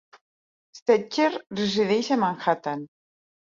Steggert resideix a Manhattan.